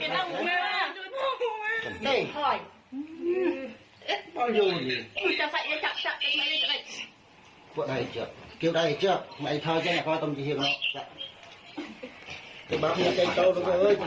หมอปลาช่วยสาวกัมภูชา